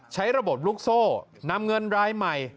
ใช้ระบบลูกโซ่นำเงินรายใหม่